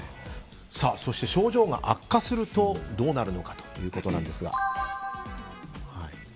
症状が悪化するとどうなるのかということなんですが。